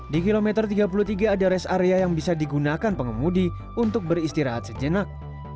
di kilometer tiga puluh tiga ada rest area yang bisa digunakan pengemudi untuk beristirahat sejenak